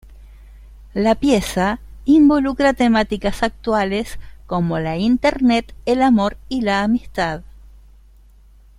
La pieza involucra temáticas actuales, como la Internet, el amor y la amistad.